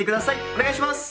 お願いします！